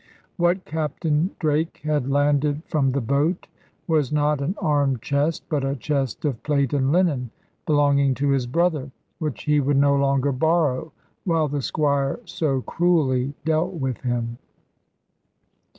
What Captain Drake had landed from the boat was not an arm chest, but a chest of plate and linen, belonging to his brother, which he would no longer borrow, while the Squire so cruelly dealt with him.